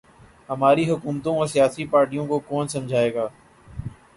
ہماری حکومتوں اور سیاسی پارٹیوں کو کون سمجھائے گا۔